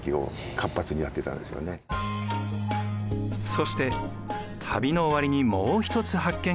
そして旅の終わりにもう一つ発見が。